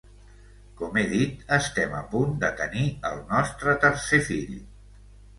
Com he dit, estem a punt de tenir el nostre tercer fill.